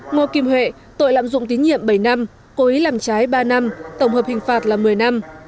ngô kim huệ tội lạm dụng tín nhiệm bảy năm cố ý làm trái ba năm tổng hợp hình phạt là một mươi năm